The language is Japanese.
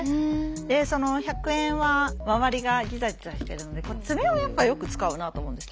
でその１００円はまわりがギザギザしてるので爪をやっぱよく使うなと思うんですけど。